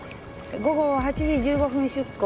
午後８時１５分出航